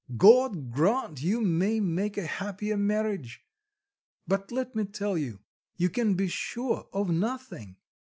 God grant you may make a happier marriage! but let me tell you, you can be sure of nothing."